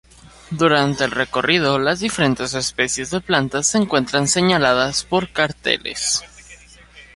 Durante el recorrido las diferentes especies de plantas se encuentran señaladas por carteles.